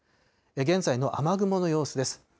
現在の雨雲の様子です。